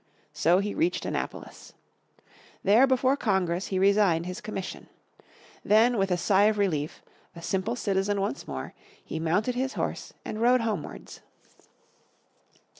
So he reached Annapolis. There before Congress he resigned his commission. Then with a sigh of relief, a simple citizen once more, he mounted his horse and rode homewards.